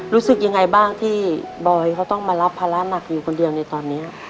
รู้สึกยังไงบ้างที่บอยเขาต้องมารับภาระหนักอยู่คนเดียวในตอนนี้